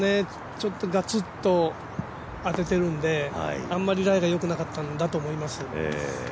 ちょっとがつっと当てているので、あんまりライがよくなかったんだろうなと思います。